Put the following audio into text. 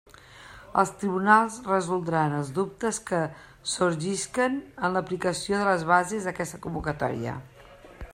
Els tribunals resoldran els dubtes que sorgisquen en l'aplicació de les bases d'aquesta convocatòria.